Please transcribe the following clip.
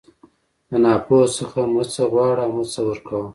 د ناپوه څخه مه څه غواړه او مه څه ورکوه.